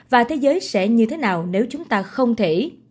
và thế giới sẽ như thế nào nếu chúng ta không thể